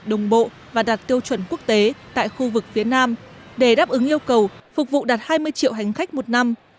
đồng bộ và đạt tiêu chuẩn quốc tế tại khu vực phía nam để đáp ứng yêu cầu phục vụ đạt hai mươi triệu hành khách một năm